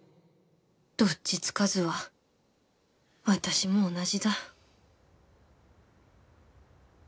どっちつかずは私も同じだ